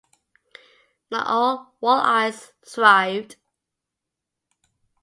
Not all walleyes thrived.